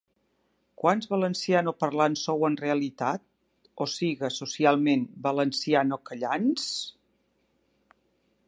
Quants valencianoparlants sou en realitat, o siga, socialment, 'valencianocallants'...?